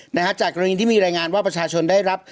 นะฮะจากกรณีที่มีรายงานว่าประชาชนได้รับ